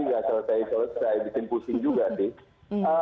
tidak selesai selesai membuat kusing juga